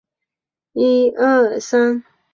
随后的华沙条约使彼得戈施迟条约被废弃。